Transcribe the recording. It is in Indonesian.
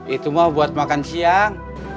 itu mah buat makan siang